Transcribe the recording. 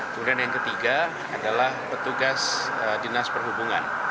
kemudian yang ketiga adalah petugas dinas perhubungan